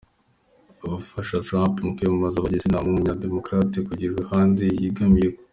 Abafasha Trump mu kwiyamamaza bagirije Schneiderman w’umudemokrate, kugira uruhande yegamiyeko.